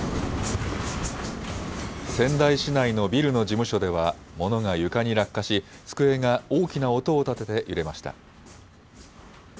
仙台市内のビルの事務所では物が床に落下し机が大きな音を立てて揺れました。